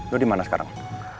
lo dimana sekarang